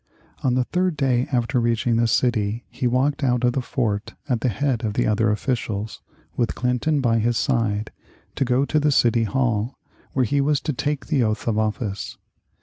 On the third day after reaching the city he walked out of the fort at the head of the other officials, with Clinton by his side, to go to the City Hall, where he was to take the oath of office.